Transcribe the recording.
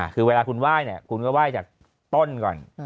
คือเวลาคุณไหว้เนี่ยคุณก็ไหว้จากต้นก่อน